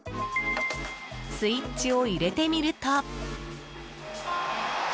スイッチを入れてみると。